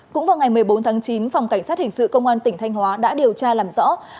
cũng vào ngày một mươi bốn tháng chín phòng cảnh sát hình sự công an tỉnh thanh hóa đã điều tra làm rõ